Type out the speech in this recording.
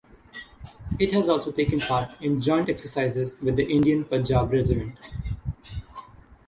It has also taken part in joint exercises with the Indian Punjab Regiment.